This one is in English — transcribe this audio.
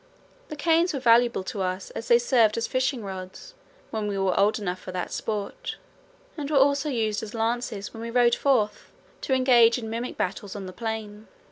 The canes were valuable to us as they served as fishing rods when we were old enough for that sport, and were also used as lances when we rode forth to engage in mimic battles on the plain.